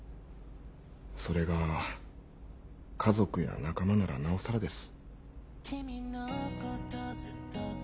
それが家族や仲間ならなおさらです。